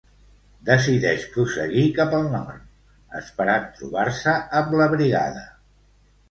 Decideix prosseguir cap al Nord, esperant trobar-se amb la brigada.